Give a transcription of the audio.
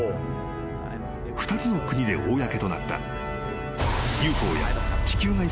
［２つの国で公となった］